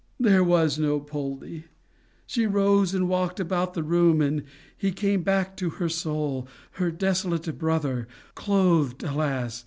There was no Poldie! She rose and walked about the room. And he came back to her soul, her desolate brother, clothed, alas!